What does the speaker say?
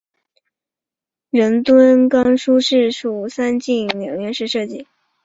仁敦冈书室属三进两院式设计。